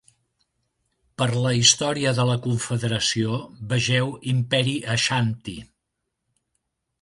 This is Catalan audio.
Per la història de la Confederació, vegeu Imperi Aixanti.